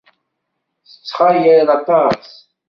Tettxayal aṭas.